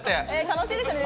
楽しいですよね